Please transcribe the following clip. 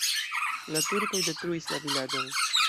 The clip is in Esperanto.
La turkoj detruis la vilaĝon.